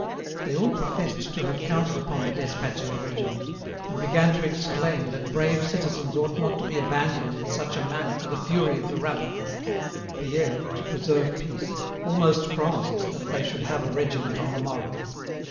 They all professed to have counted upon the despatch of a regiment, and began to exclaim that brave citizens ought not to be abandoned in such a manner to the fury of the rabble. Pierre, to preserve peace, almost promised they should have a regiment on the morrow.